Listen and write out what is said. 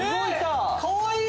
かわいい！